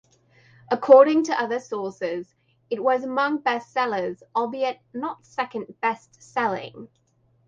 According to other sources, it was among best-sellers, albeit not second-best-selling.